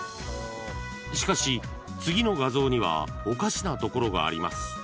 ［しかし次の画像にはおかしなところがあります］